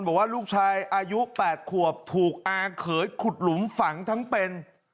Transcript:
บอกว่าลูกชายอายุ๘ขวบถูกอาเขยขุดหลุมฝังทั้งเป็น